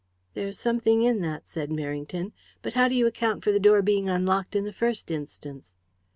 "There's something in that," said Merrington. "But how do you account for the door being unlocked in the first instance?"